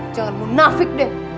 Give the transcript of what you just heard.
jangan bunafik deh